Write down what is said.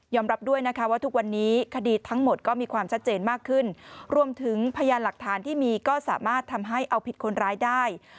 รับด้วยนะคะว่าทุกวันนี้คดีทั้งหมดก็มีความชัดเจนมากขึ้นรวมถึงพยานหลักฐานที่มีก็สามารถทำให้เอาผิดคนร้ายได้